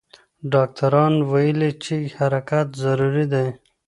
ډاکټران ویلي چې حرکت ضروري دی.